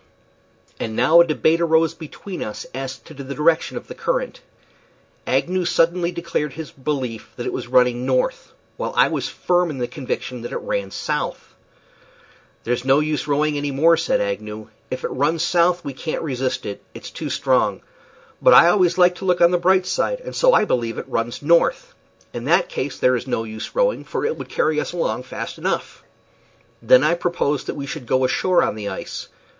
And now a debate arose between us as to the direction of this current. Agnew suddenly declared his belief that it was running north, while I was firm in the conviction that it ran south. "There's no use rowing any more," said Agnew. "If it runs south we can't resist it. It's too strong. But I always like to look on the bright side, and so I believe it runs north. In that case there is no use rowing, for it will carry us along fast enough." Then I proposed that we should go ashore on the ice.